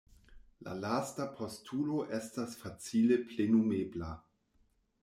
La lasta postulo estas facile plenumebla.